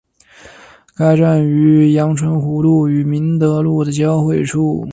该站位于杨春湖路与明德路的交汇处。